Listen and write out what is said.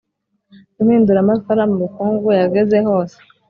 impinduramatwara mu bukungu yageze hose,